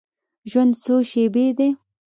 ژوند څو شیبې دی.